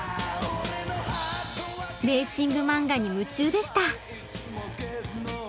レーシング漫画に夢中でした。